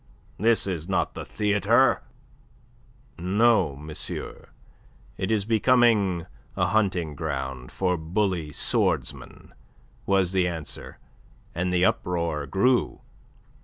This is not the theatre!" "No, monsieur, it is becoming a hunting ground for bully swordsmen," was the answer, and the uproar grew.